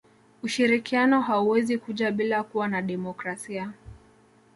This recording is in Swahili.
ushirikiano hauwezi kuja bila kuwa na demokrasia